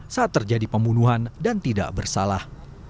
saat terjadi pembunuhan dan tidak bersalah